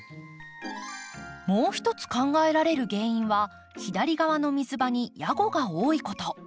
もう一つ考えられる原因は左側の水場にヤゴが多いこと。